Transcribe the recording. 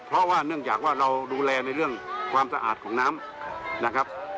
เพราะว่าเนื่องจากว่าเราดูแลในเรื่องความสะอาดของน้ำนะครับ